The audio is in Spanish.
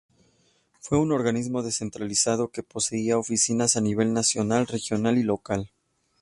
Fue un organismo descentralizado que poseía oficinas a nivel nacional, regional y local.